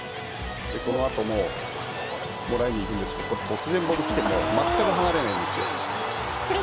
この後ももらいに行くんですが突然ボールが来てもまったく離れないんですよ。